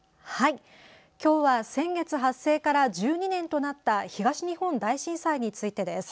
今日は先月、発生から１２年となった東日本大震災についてです。